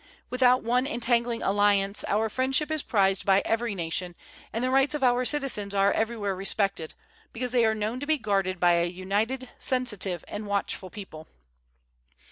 Without one entangling alliance, our friendship is prized by every nation, and the rights of our citizens are everywhere respected, because they are known to be guarded by a united, sensitive, and watchful people.